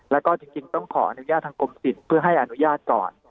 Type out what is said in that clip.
แล้วก็จริงต้องขออนุญาตทางกรมสิทธิ์เพื่อให้อนุญาตก่อน